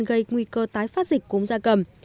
gây nguy cơ tái phát dịch cúm gia cầm